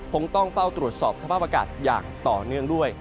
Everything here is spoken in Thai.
คงต้องเฝ้าตรวจสอบสภาพอากาศอย่างต่อเนื่องด้วย